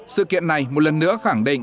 sự kiện này một lần nữa khẳng định